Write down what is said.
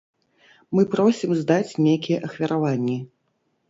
Мы просім здаць нейкія ахвяраванні.